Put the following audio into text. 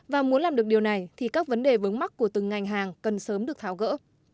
và muốn làm được điều này thì các vấn đề vướng mắt của từng ngành hàng cần sớm được tháo gỡ